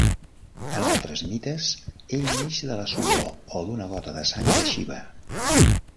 En altres mites, ell neix de la suor o d'una gota de sang de Shiva.